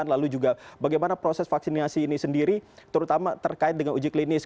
lalu juga bagaimana proses vaksinasi ini sendiri terutama terkait dengan uji klinis